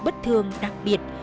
bất thường đặc biệt